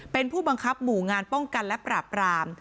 เป็นผู้บังคับหมู่งานป้องกันและปราบราม